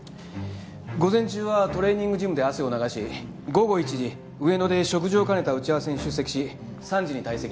午前中はトレーニングジムで汗を流し午後１時上野で食事を兼ねた打ち合わせに出席し３時に退席